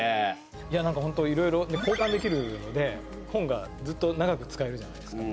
いやなんか本当いろいろ交換できるので本がずっと長く使えるじゃないですか。